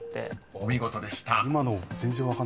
［お見事でした］